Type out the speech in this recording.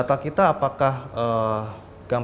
baik itu nama sorry kontak